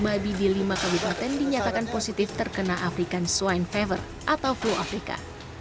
babi di lima kabupaten dinyatakan positif terkena african swine favor atau flu afrika